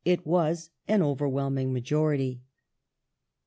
It was an overwhelming majority.